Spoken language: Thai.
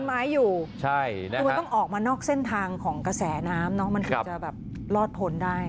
คือมันต้องออกมานอกเส้นทางของกระแสน้ำเนาะมันถึงจะแบบรอดพ้นได้